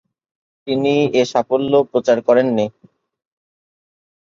তিনি এই সাফল্য প্রচার করেননি।